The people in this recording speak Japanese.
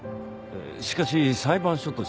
しかし裁判所としては。